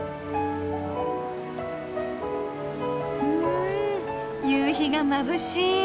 うん夕日がまぶしい。